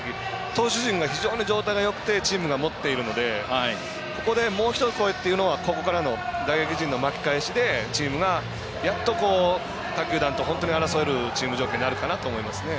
投手陣、非常に調子がよくてチームがもっているのでここで、もう一声というのはここからの打撃陣の巻き返しでチームがやっと他球団と本当に争えるチーム状況になるかなと思います。